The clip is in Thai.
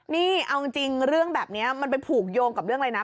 นี่เอาจริงเรื่องแบบนี้มันไปผูกโยงกับเรื่องอะไรนะ